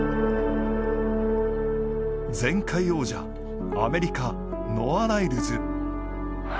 前回王者、アメリカ、ノア・ライルズ